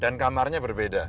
dan kamarnya berbeda